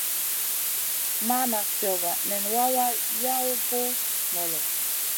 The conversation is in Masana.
Mana fiogo, nan wawa yow gu ŋolo.